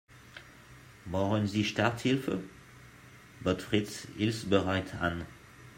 Brauchen Sie Starthilfe?, bot Fritz hilfsbereit an.